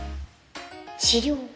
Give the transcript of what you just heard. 治療。